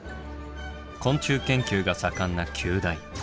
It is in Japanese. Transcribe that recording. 昆虫研究が盛んな九大。